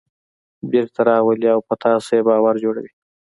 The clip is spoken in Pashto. بېرته راولي او په تاسې یې باور جوړوي.